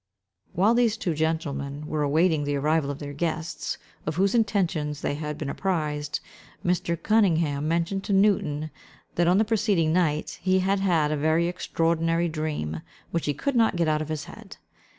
While these two gentlemen were awaiting the arrival of their guests, of whose intentions they had been apprised, Mr. Cunningham mentioned to Newton, that on the preceding night, he had had a very extraordinary dream, which he could not get out of his head.